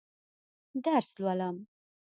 درس لولم.